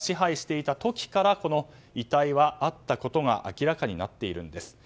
つまりロシア軍が支配していた時からこの遺体はあったことが明らかになっているんです。